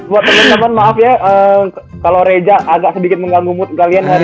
buat temen temen maaf ya kalo reza agak sedikit mengganggu mood kalian hari ini